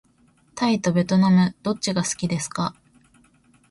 タイとべトナムどっちが好きですか。